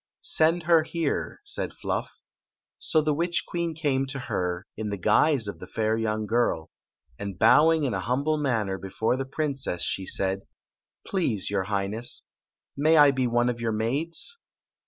"Send her here," said Fluff. So the witch queen came to her, in the guise of the fair young girl; and bowing in a humble manner before the princess, she said: "Please, your High ness, may 1 be one of your maids?"